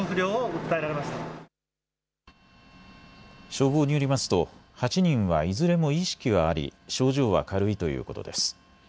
消防によりますと８人はいずれも意識はあり症状は軽いということです。